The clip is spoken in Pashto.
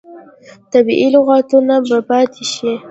طبیعي لغتونه به پاتې شي.